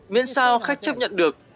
miễn sao khách chấp nhận được